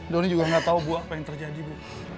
doni juga gak tau bu apa yang terjadi bu